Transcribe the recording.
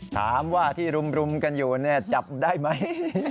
ถามว่าที่รุมกันอยู่เนี่ยจับได้ไหม